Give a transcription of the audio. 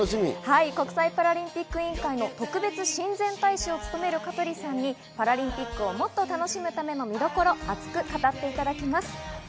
国際パラリンピック委員会の特別親善大使を務める香取さんにパラリンピックをもっと楽しむための見どころを熱く語っていただきます。